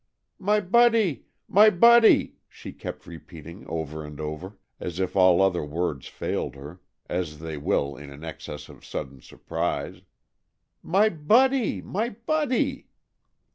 "My Buddy! My Buddy!" she kept repeating over and over, as if all other words failed her, as they will in an excess of sudden surprise. "My Buddy! My Buddy!"